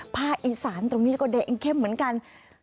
ภาคอีสานตรงนี้ก็เดะเองเข้มเหมือนกัน